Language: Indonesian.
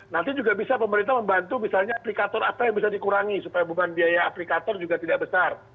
nanti juga bisa pemerintah membantu misalnya aplikator apa yang bisa dikurangi supaya beban biaya aplikator juga tidak besar